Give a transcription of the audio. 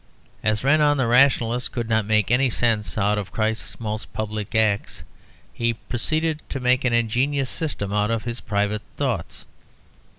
As Renan, the rationalist, could not make any sense out of Christ's most public acts, he proceeded to make an ingenious system out of His private thoughts.